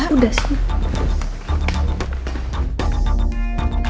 sudah perlu beli